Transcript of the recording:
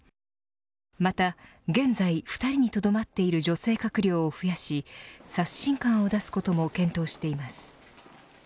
また、現在２人にとどまっている女性閣僚を増やし刷新感を出すことも検討しています。